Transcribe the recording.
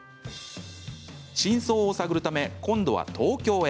真相を探るため、今度は東京へ。